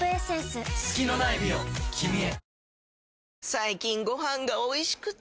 最近ご飯がおいしくて！